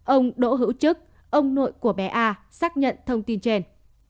ông đỗ hữu chức ông nội của bé a xác nhận thông tin trên